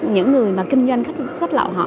những người mà kinh doanh sách lậu